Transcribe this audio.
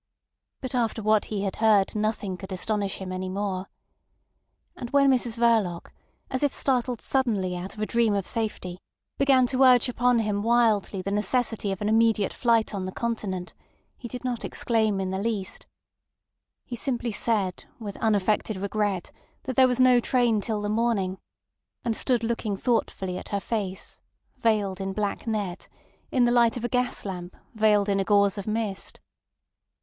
But after what he had heard nothing could astonish him any more. And when Mrs Verloc, as if startled suddenly out of a dream of safety, began to urge upon him wildly the necessity of an immediate flight on the Continent, he did not exclaim in the least. He simply said with unaffected regret that there was no train till the morning, and stood looking thoughtfully at her face, veiled in black net, in the light of a gas lamp veiled in a gauze of mist.